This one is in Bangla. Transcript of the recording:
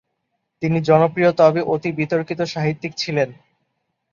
তিনি জনপ্রিয় তবে অতি বিতর্কিত সাহিত্যিক ছিলেন।